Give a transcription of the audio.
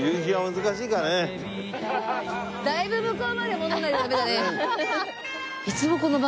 だいぶ向こうまで戻らないとダメだね。